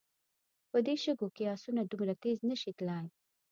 په دې شګو کې آسونه دومره تېز نه شي تلای.